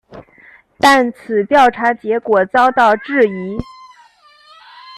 但此调查结果遭到质疑。